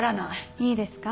いいですか？